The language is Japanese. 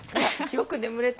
よく眠れた！